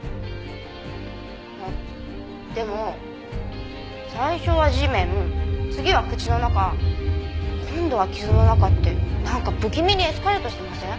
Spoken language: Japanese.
あっでも最初は地面次は口の中今度は傷の中ってなんか不気味にエスカレートしてません？